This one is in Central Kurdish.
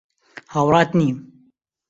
هاوڕات نیم.